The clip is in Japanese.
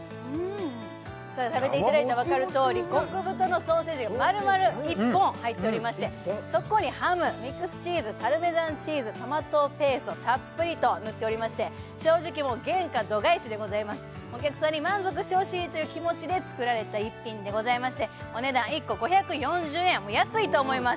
食べていただいたら分かるとおり極太のソーセージがまるまる１本入っておりましてそこにハムミックスチーズパルメザンチーズトマトペーストたっぷりと塗っておりまして正直もう原価度外視でございますお客さんに満足してほしいという気持ちで作られた逸品でございましてお値段１個５４０円安いと思います